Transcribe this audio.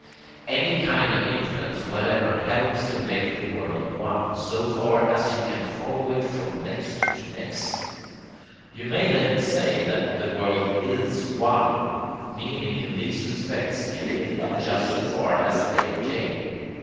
Any kind of influence whatever helps to make the world one, so far as you can follow it from next to next. You may then say that 'the world IS One' meaning in these respects, namely, and just so far as they obtain.